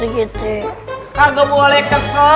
tadi temennya luar biasa